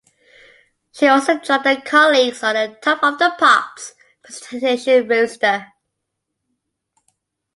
She also joined her colleagues on the "Top of the Pops" presentation roster.